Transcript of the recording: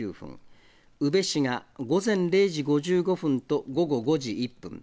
宇部市が午前０時５５分と午後５時１分。